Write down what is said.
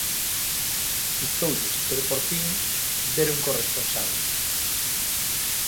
Custoulles, pero, por fin, deron co responsable.